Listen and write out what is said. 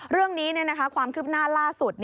เรื่องนี้ความคืบหน้าล่าสุด